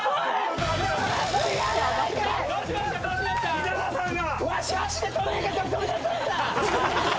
稲田さんが！